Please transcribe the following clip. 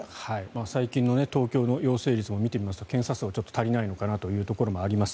最近の東京の陽性率も見てみますと検査数はちょっと足りないのかなというところはあります。